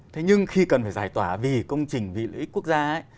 thế nhưng khi cần phải giải tỏa vì công trình vì lợi ích quốc gia ấy